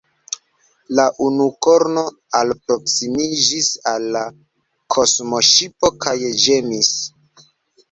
La unukorno alproskimiĝis al la kosmoŝipo kaj ĝemis.